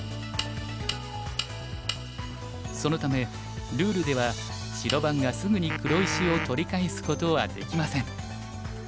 そのためルールでは白番がすぐに黒石を取り返すことはできません。